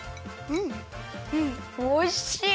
うんおいしい。